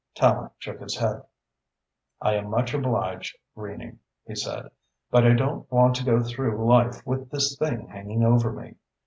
Tallente shook his head. "I am much obliged, Greening," he said, "but I don't want to go through life with this thing hanging over me.